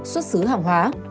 xuất xứ hàng hóa